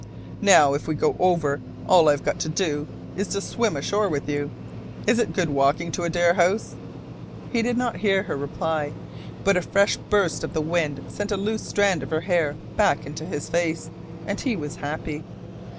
Now if we go over all I've got to do is to swim ashore with you. Is it good walking to Adare House?" He did not hear her reply; but a fresh burst of the wind sent a loose strand of her hair back into his face, and he was happy.